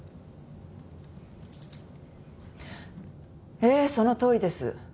ええそのとおりです。